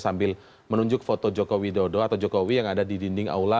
sambil menunjuk foto jokowi dodo atau jokowi yang ada di dinding aula